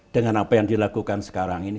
dengan apa yang dilakukan sekarang ini